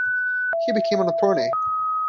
He became an attorney.